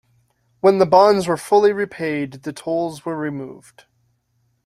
When the bonds were fully repaid, the tolls were removed.